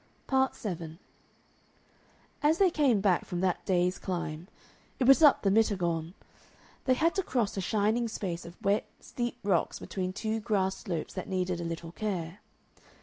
Part 7 As they came back from that day's climb it was up the Mittaghorn they had to cross a shining space of wet, steep rocks between two grass slopes that needed a little care.